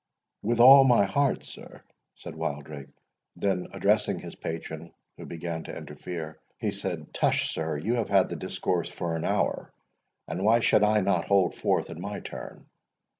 "With all my heart, sir," said Wildrake—then addressing his patron, who began to interfere, he said, "Tush, sir, you have had the discourse for an hour, and why should not I hold forth in my turn?